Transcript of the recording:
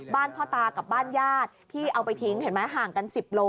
พ่อตากับบ้านญาติที่เอาไปทิ้งเห็นไหมห่างกัน๑๐โล